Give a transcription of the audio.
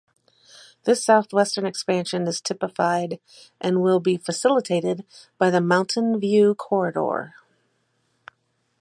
This southwestern expansion is typified and will be facilitated by the Mountain View Corridor.